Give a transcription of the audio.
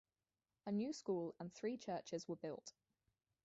A new school and three churches were built.